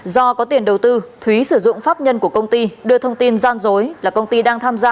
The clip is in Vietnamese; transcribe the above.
do có tiền đầu tư thúy sử dụng pháp nhân của công ty đưa thông tin gian dối là công ty đang tham gia